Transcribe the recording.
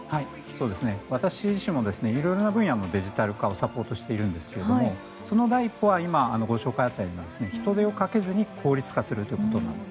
私自身も色々な分野のデジタル化をサポートしているんですけどその第一歩は今、ご紹介があったように人手をかけずに効率化するということです。